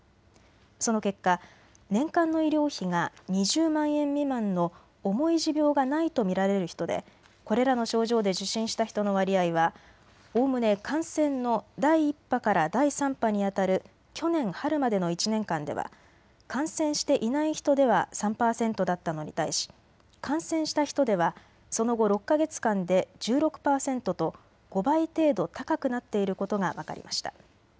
その結果、年間の医療費が２０万円未満の重い持病がないと見られる人で、これらの症状で受診した人の割合はおおむね感染の第１波から第３波にあたる去年春までの１年間では感染していない人では３％だったのに対し、感染した人ではその後６か月間で１６％と５倍程度高くなっていることが分かりました。